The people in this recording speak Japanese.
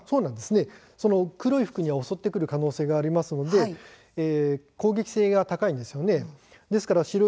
黒い服は襲ってくる可能性がありますので攻撃性が高いんです。